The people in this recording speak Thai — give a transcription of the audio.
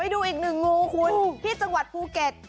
ดูอีกหนึ่งงูคุณที่จังหวัดภูเก็ต